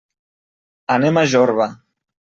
Anem a Jorba.